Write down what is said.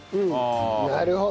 なるほど。